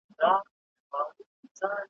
پرې را تاو یې کړه د ناز لاسونه دواړه,